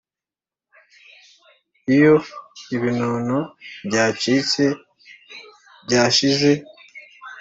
iyo ibinono byacitse byashize.